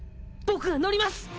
僕が乗ります！